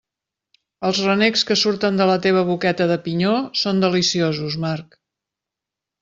Els renecs que surten de la teva boqueta de pinyó són deliciosos, Marc.